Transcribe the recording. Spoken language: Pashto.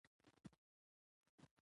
ماشومتوب د ماغزو لومړنی پړاو دی.